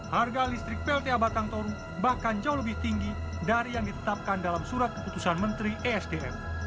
harga listrik plta batang toru bahkan jauh lebih tinggi dari yang ditetapkan dalam surat keputusan menteri esdm